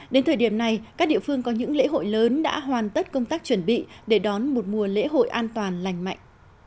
đến thời điểm này các địa phương có những lễ hội lớn đã hoàn tất công tác chuẩn bị để đón một mùa lễ hội an toàn lành mạnh